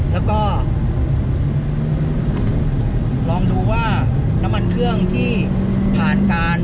แล้วก็ลองดูว่าน้ำมันเครื่องที่ผ่านการ